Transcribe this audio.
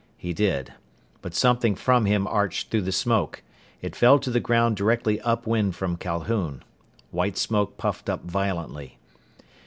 He did. But something from him arched through the smoke. It fell to the ground directly upwind from Calhoun. White smoke puffed up violently.